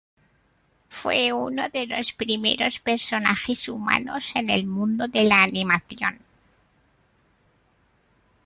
Fue uno de los primeros personajes humanos en el mundo de la animación.